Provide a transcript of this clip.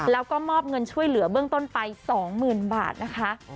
แล้วก็มอบเงินช่วยเหลือเบื้องต้นไป๒๐๐๐บาทนะคะ